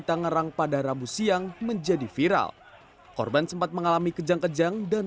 tangerang pada rabu siang menjadi viral korban sempat mengalami kejang kejang dan